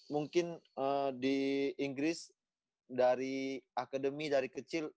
mungkin di inggris dari akademi dari kecil